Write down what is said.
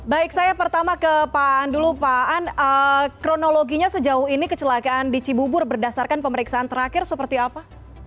baik saya pertama ke pak aan dulu pak an kronologinya sejauh ini kecelakaan di cibubur berdasarkan pemeriksaan terakhir seperti apa